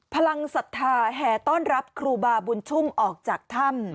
พลังศรัทธาแห่ต้อนรับครูบาบุญชุ่มออกจากถ้ำ